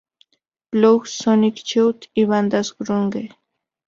Bungle, Sonic Youth y bandas "grunge".